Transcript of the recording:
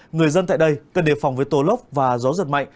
người dân tại đây cần đề phòng với tố lốc và gió giật mạnh